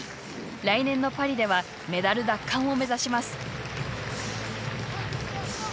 来年のパリではメダル奪還を目指します。